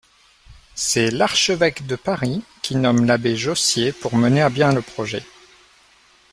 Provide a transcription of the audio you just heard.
C'est l'archevêque de Paris qui nomme l'abbé Jossier pour mener à bien le projet.